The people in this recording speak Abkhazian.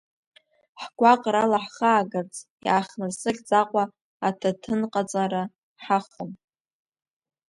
Ҳгәаҟра алаҳхаагарц, иааихмырсыӷьӡакәа аҭаҭынҟаҵа ҳахон.